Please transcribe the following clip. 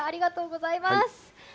ありがとうございます。